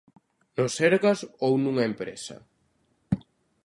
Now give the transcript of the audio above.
No Sergas ou nunha empresa?